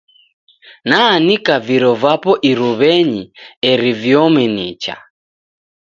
Naanika viro vapo irumenyi eri viome nicha.